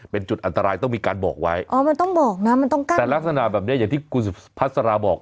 เป็นจุดอันตรายต้องมีการบอกไว้อ๋อมันต้องบอกนะมันต้องกั้นแต่ลักษณะแบบเนี้ยอย่างที่คุณสุพัสราบอก